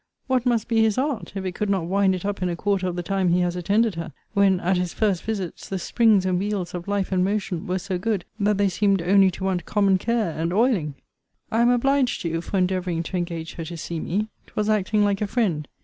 What must be his art, if it could not wind it up in a quarter of the time he has attended her, when, at his first visits, the springs and wheels of life and motion were so god, that they seemed only to want common care and oiling! I am obliged to you for endeavouring to engage her to see me. 'Twas acting like a friend.